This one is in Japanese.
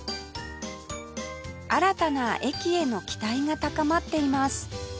新たな駅への期待が高まっています